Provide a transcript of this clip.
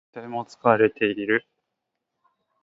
とても疲れている。